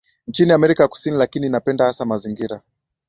nchini Amerika ya Kusini lakini inapenda hasa mazingira